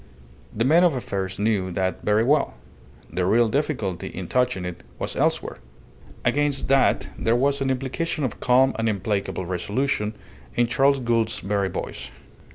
The men of affairs knew that very well. The real difficulty in touching it was elsewhere. Against that there was an implication of calm and implacable resolution in Charles Gould's very voice.